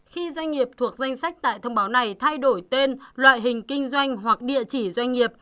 khi doanh nghiệp thuộc danh sách tại thông báo này thay đổi tên loại hình kinh doanh hoặc địa chỉ doanh nghiệp